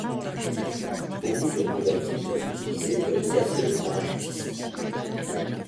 Beaucoup furent convertis pour être utilisé comme casque de parachutiste.